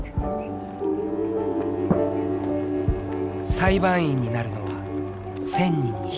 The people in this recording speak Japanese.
裁判員になるのは１０００人に１人。